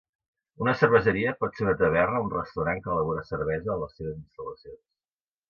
Una cerveseria pot ser una taverna o un restaurant que elabora cervesa a les seves instal·lacions.